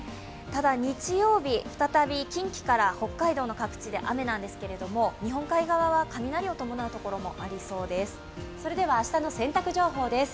ただ、日曜日、再び近畿から北海道の各地で雨なんですけど、日本海側は雷を伴うところもありそうです。